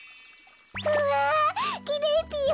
うわきれいぴよ！